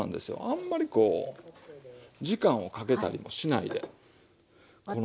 あんまりこう時間をかけたりもしないでこのようにして。